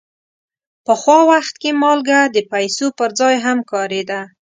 پخوا وخت کې مالګه د پیسو پر ځای هم کارېده.